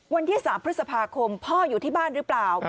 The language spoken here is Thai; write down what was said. วันที่๓พฤษภาคมพ่ออยู่ที่บ้านหรือเปล่า